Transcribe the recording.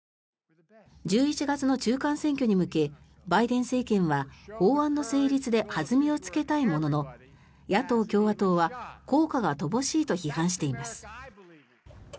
１１月の中間選挙に向けバイデン政権は法案の成立で弾みをつけたいものの野党・共和党は効果が乏しいと批判しています。